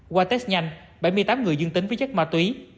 qua test nhanh bảy mươi tám người dương tính với chất ma túy